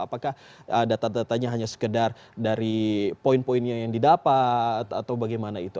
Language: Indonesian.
apakah data datanya hanya sekedar dari poin poinnya yang didapat atau bagaimana itu